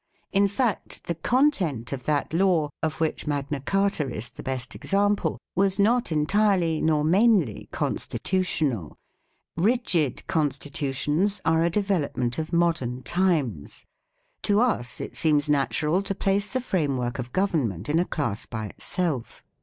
In fact the con tent of that law, of which Magna Carta is the best example, was not entirely nor mainly " constitutional ". "Rigid" constitutions are a development of modern times. To us it seems natural to place the framework of government in a class by itself.